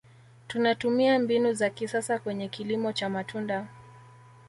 tunatumia mbinu za kisasa kwenye kilimo cha matunda